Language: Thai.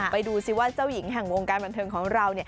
ไปดูซิว่าเจ้าหญิงแห่งวงการบันเทิงของเรา